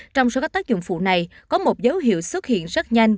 trong số các tác dụng phụ này có một dấu hiệu xuất hiện rất nhanh